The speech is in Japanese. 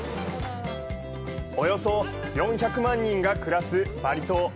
およそ４００万人が暮らすバリ島。